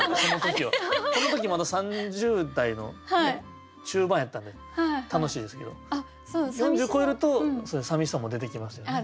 この時まだ３０代の中盤やったんで楽しいですけど４０超えるとそういう寂しさも出てきますよね。